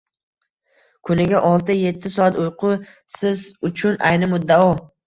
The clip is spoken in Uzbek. Kuniga olti-etti soat uyqu siz uchun ayni muddao.